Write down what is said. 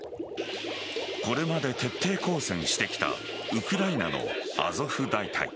これまで徹底抗戦してきたウクライナのアゾフ大隊。